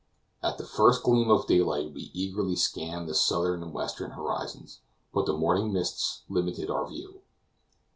At the first gleam of daylight we eagerly scanned the southern and western horizons, but the morning mists limited our view.